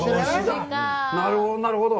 なるほど、なるほど。